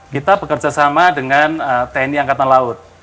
kita bekerja sama dengan tni angkatan laut